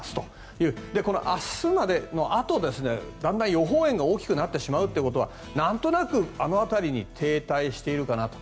この明日までのあとだんだん予報円が大きくなってしまうということはなんとなく、あの辺りに停滞しているかなと。